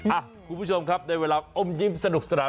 อ่ะคุณผู้ชมครับในเวลาอมยิ้มสนุกสนาน